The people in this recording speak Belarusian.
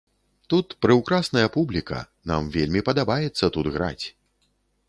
Тут прыўкрасная публіка, нам вельмі падабаецца тут граць.